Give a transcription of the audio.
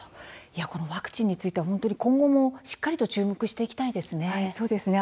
ワクチンについては今後もしっかり注目していきたいですね。